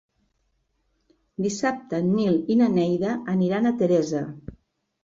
Dissabte en Nil i na Neida aniran a Teresa.